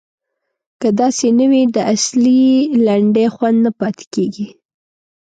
که داسې نه وي د اصیلې لنډۍ خوند نه پاتې کیږي.